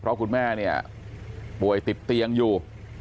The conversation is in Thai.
เพราะคุณแม่เนี่ยป่วยติดเตียงอยู่